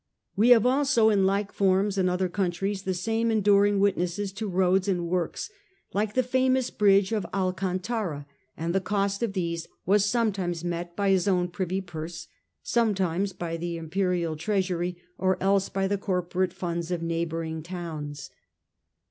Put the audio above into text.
We have also in like forms in other countries the same enduring witnesses to roads and works like and the famous bridge of Alcantara ; and the bridges, cost of these was sometimes met by his own pi ivy purse, sometimes by the imperial treasury, or else by the corporate funds of neighbouring towns. A.D. The Age of the Antonines.